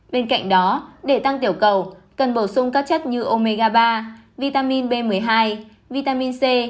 bên cạnh đó để tăng tiểu cầu cần bổ sung các chất như omega ba vitamin b một mươi hai vitamin c